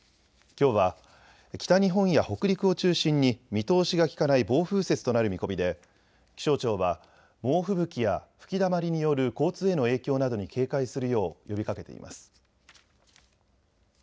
きょうは、北日本や北陸を中心に見通しが利かない暴風雪となる見込みで気象庁は猛吹雪や吹きだまりによる交通への影響などに警戒するよう呼びかけています。